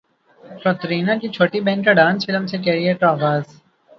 کترینہ کی چھوٹی بہن کا ڈانس فلم سے کیریئر کا اغاز